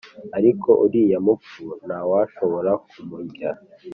, ariko uriya mupfu ntawashobora kumurya